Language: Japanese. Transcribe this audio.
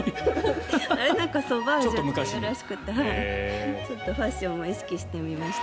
ソバージュっていうらしくてちょっとファッションも意識してみました。